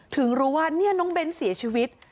ถึงรู้ว่าเนี่ยน้องเบ้นเสียชีวิต